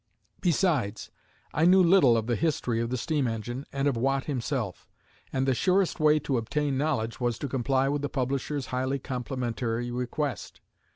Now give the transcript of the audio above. Besides, I knew little of the history of the Steam Engine and of Watt himself, and the surest way to obtain knowledge was to comply with the publisher's highly complimentary request.